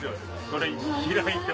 それ。